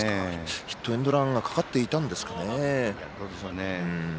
ヒットエンドランがかかっていたんですかね。